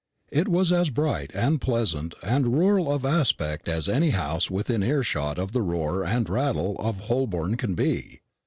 It was as bright, and pleasant, and rural of aspect as any house within earshot of the roar and rattle of Holborn can be.